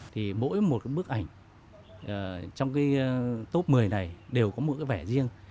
thì mỗi một bức ảnh trong cái top một mươi này đều có một vẻ riêng